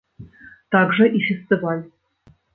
Так жа і фестываль.